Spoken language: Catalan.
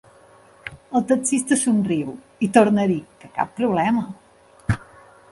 El taxista somriu i torna a dir que cap problema.